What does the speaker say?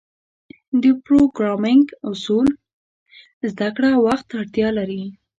د پروګرامینګ اصول زدهکړه وخت ته اړتیا لري.